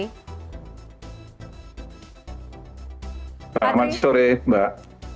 selamat sore mbak